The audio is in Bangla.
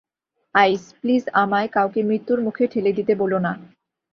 আইস, প্লিজ, আমায় কাউকে মৃত্যুর মুখে ঠেলে দিতে বলো না।